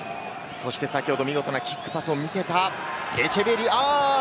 先ほど見事なキックパスを見せたエチェベリー。